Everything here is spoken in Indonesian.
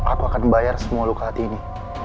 aku akan bayar semua luka hati ini